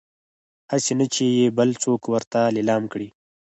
هسي نه چې يې بل څوک ورته ليلام کړي